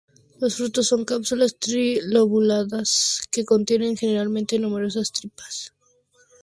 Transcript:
Los frutos son cápsulas trilobuladas que contienen generalmente numerosas tripas.